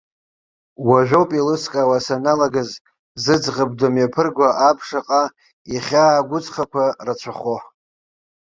Уажәоуп еилыскаауа саналагаз, зыӡӷаб дымҩаԥырго аб шаҟа ихьаа-гәыҵхақәа рацәахо.